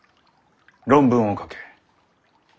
論文を書け。